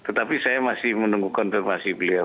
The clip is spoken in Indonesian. tetapi saya masih menunggu konfirmasi beliau